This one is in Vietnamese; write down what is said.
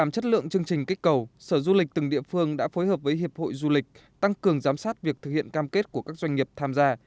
chương trình kích cầu du lịch tăng cường giám sát việc thực hiện cam kết của các doanh nghiệp tham gia